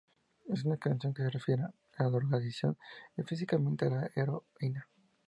Es una canción que se refiere a la drogadicción, específicamente a la heroína.